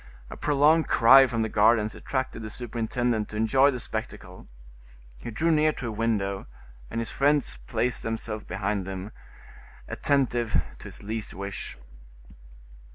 A prolonged cry from the gardens attracted the superintendent to enjoy the spectacle. He drew near to a window, and his friends placed themselves behind him, attentive to his least wish.